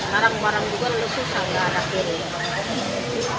barang barang juga susah tidak ada kiri